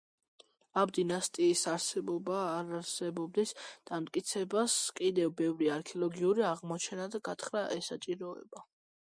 ამ დინასტიის არსებობა-არარსებობის დამტკიცებას კიდევ ბევრი არქეოლოგიური აღმოჩენა და გათხრა ესაჭიროება.